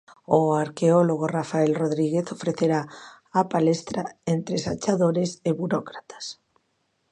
O arqueólogo Rafael Rodríguez ofrecerá a palestra Entre sachadores e burócratas.